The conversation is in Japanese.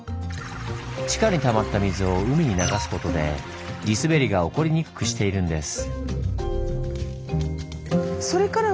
地下にたまった水を海に流すことで地すべりが起こりにくくしているんです。